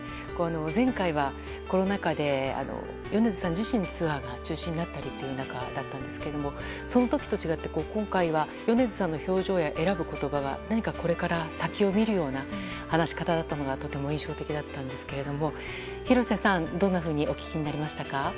前回は、コロナ禍で米津さん自身のツアーが中止になったりという中だったんですがその時と違って今回は、米津さんの表情や選ぶ言葉がこれから先を見るような話し方だったのがとても印象的だったんですが廣瀬さん、どんなふうにお聞きになりましたか？